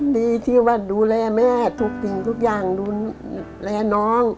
ดีที่วัดดูแลแม่ทุกอย่างดูแลน้อง